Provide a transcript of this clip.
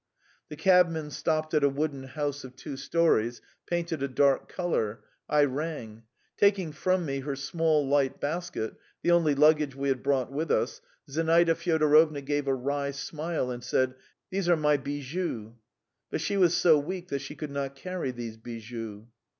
The cabman stopped at a wooden house of two storeys, painted a dark colour. I rang. Taking from me her small light basket the only luggage we had brought with us Zinaida Fyodorovna gave a wry smile and said: "These are my bijoux." But she was so weak that she could not carry these bijoux.